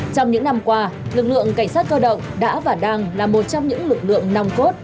trong những năm qua lực lượng cảnh sát cơ động đã và đang là một trong những lực lượng nòng cốt